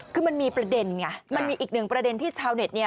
คือมันมีประเด็นไงมันมีอีกหนึ่งประเด็นที่ชาวเน็ต